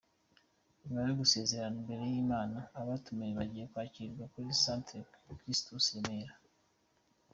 Nyuma yo gusezerana imbere y’Imana abatumiwe bagiye kwiyakirira kuri Centre Christus i Remera.